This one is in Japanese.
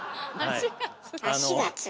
足がつる。